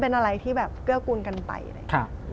เป็นอะไรที่แบบเกื้อกูลกันไปเลย